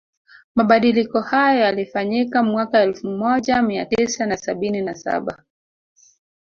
Mabadiliko hayo yalifanyika mwaka elfu moja mia tisa na sabini na saba